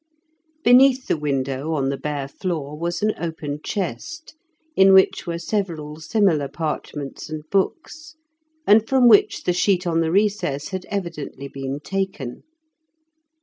Beneath the window on the bare floor was an open chest, in which were several similar parchments and books, and from which the sheet on the recess had evidently been taken.